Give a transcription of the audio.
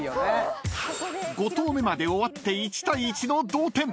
［５投目まで終わって１対１の同点］